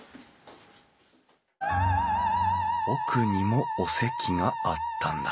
奥にもお席があったんだ。